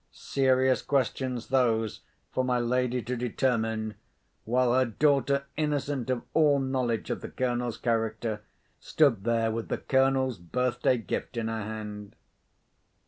Serious questions those for my lady to determine, while her daughter, innocent of all knowledge of the Colonel's character, stood there with the Colonel's birthday gift in her hand.